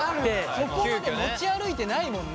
そこまで持ち歩いてないもんね。